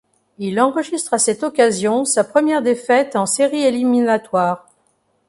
Il enregistre à cette occasion sa première défaite en séries éliminatoires.